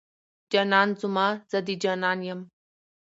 جانان زما، زه د جانان يم